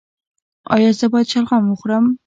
ایا زه باید شلغم وخورم؟